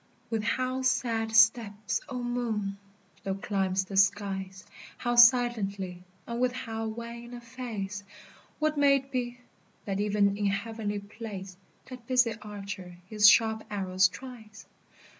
With how sad steps, O Moon! thou climb'st the skies, How silently, and with how wan a face! What may it be, that even in heavenly place That busy Archer his sharp arrows tries?